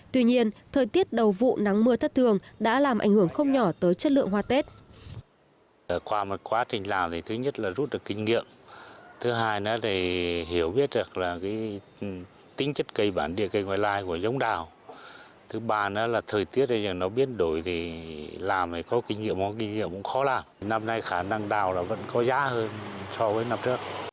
tuy nhiên thời tiết đầu vụ nắng mưa thất thường đã làm ảnh hưởng không nhỏ tới chất lượng hoa tết